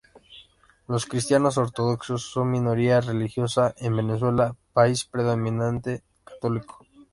Los cristianos ortodoxos son minoría religiosa en Venezuela, país predominantemente católico.